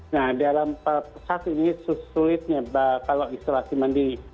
nah dalam saat ini sulitnya kalau isolasi mandiri